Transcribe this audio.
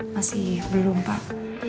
masih belum pak